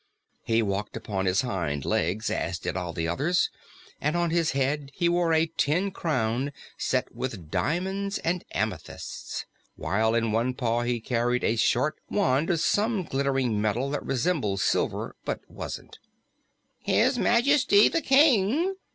He walked upon his hind legs, as did all the others, and on his head he wore a tin crown set with diamonds and amethysts, while in one paw he carried a short wand of some glittering metal that resembled silver but wasn't. "His Majesty the King!"